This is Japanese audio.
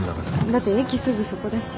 だって駅すぐそこだし。